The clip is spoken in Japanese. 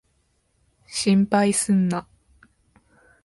心配すんな。